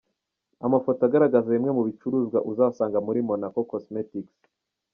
Amafoto agaragaza bimwe mu bicuruzwa uzasanga muri Monaco Cosmetics.